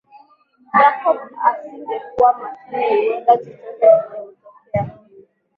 Jacob asingekua makini huenda chochote kingemtokea